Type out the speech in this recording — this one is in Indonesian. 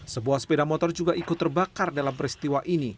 sebuah sepeda motor juga ikut terbakar dalam peristiwa ini